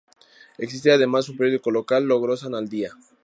Existe además un periódico local, Logrosán al Día.